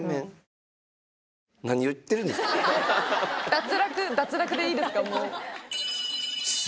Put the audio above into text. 脱落でいいですか。